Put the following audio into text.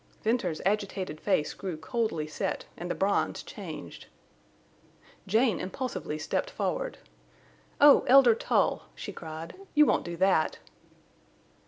Venters's agitated face grew coldly set and the bronze changed to gray. Jane impulsively stepped forward. "Oh! Elder Tull!" she cried. "You won't do that!"